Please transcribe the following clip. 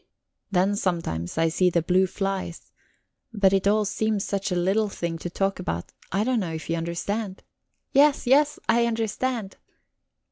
"Then sometimes I see the blue flies. But it all seems such a little thing to talk about I don't know if you understand?" "Yes, yes, I understand."